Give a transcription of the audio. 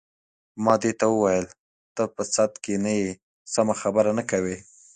ما دې ته وویل: ته په سد کې نه یې، سمه خبره نه کوې.